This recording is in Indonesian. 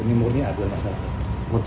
ini murni aduan masyarakat